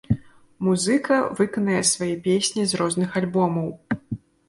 Музыка выканае свае песні з розных альбомаў.